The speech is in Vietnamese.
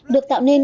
được tạo nên